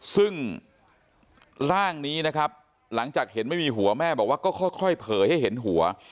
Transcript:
ซึ่งร่างนี้นะครับหลังจากเห็นไม่มีหัวแม่บอกว่าก็ค่อยเผยให้เห็นหัว